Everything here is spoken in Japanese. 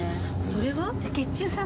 それは？